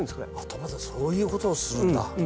トマトそういうことをするんだ。